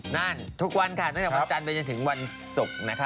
นั่นทุกวันค่ะตั้งแต่วันจันทร์ไปจนถึงวันศุกร์นะคะ